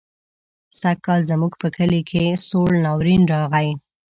سږکال زموږ په کلي کې سوړ ناورين راغی.